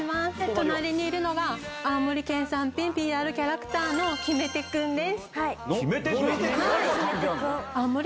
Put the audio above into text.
隣にいるのが、青森県産県ＰＲキャラクターの決め手くんです。